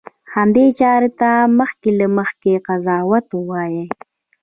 همدې چارې ته مخکې له مخکې قضاوت وایي.